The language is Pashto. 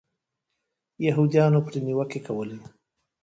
یهودیانو پرې نیوکې کولې.